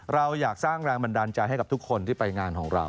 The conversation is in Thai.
เราอยากสร้างแรงบันดาลใจให้กับทุกคนที่ไปงานของเรา